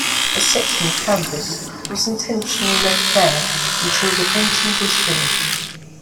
A section of canvas was intentionally left bare until the painting was finished.